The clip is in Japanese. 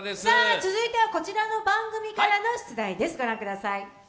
続いては、こちらの番組からの出題です、御覧ください。